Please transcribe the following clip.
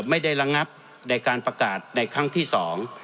ไม่ได้ระงับในการประกาศในครั้งที่สอง